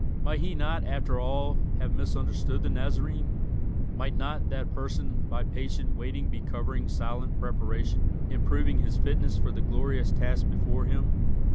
Might he not after all have misunderstood the Nazarene? Might not that person by patient waiting be covering silent preparation, and proving his fitness for the glorious task before him?